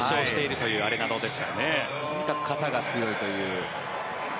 とにかく肩が強いという。